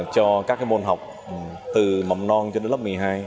cho các môn học từ mầm non cho đến lớp một mươi hai